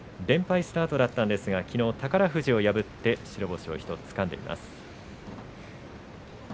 連敗スタートだったんですがきのう宝富士を破って白星を１つつかんでいます。